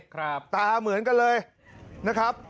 ตาเหมือนกันเลยนะครับ